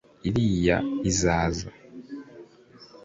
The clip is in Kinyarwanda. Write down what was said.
Iriya izaza